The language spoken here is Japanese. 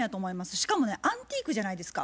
しかもねアンティークじゃないですか。